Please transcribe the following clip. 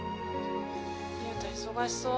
悠太忙しそう。